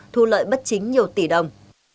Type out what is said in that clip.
thu lợi bất chính nhiều tỷ đồng